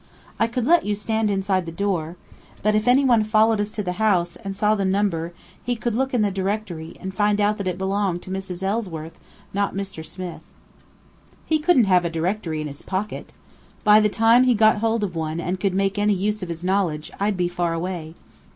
I could let you stand inside the door. But if any one followed us to the house, and saw the number, he could look in the directory, and find out that it belonged to Mrs. Ellsworth, not Mr. Smith." "He couldn't have a directory in his pocket! By the time he got hold of one and could make any use of his knowledge, I'd be far away."